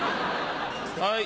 はい！